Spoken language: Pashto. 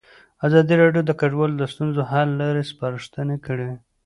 ازادي راډیو د کډوال د ستونزو حل لارې سپارښتنې کړي.